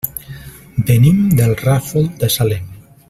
Venim del Ràfol de Salem.